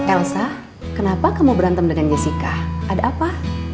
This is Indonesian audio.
elsa kenapa kamu berantem dengan jessica ada apa